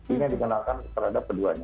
ini yang dikenalkan terhadap keduanya